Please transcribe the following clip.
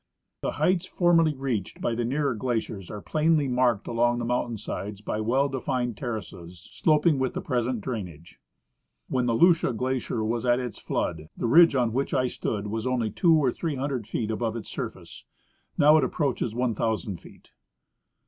The heights formerly reached by the nearer glaciers were plainly marked along the mountain sides by well defined terraces, sloping with the present drainage. When the Lucia glacier was at its flood the ridge on which I stood was only 200 or 300 feet above its surface ; now it approaches 1,000 feet.